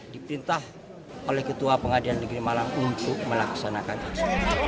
dipintah oleh ketua pengadilan negeri malang untuk melaksanakan eksekusi